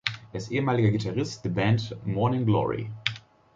Er ist ehemaliger Gitarrist der Band Morning Glory.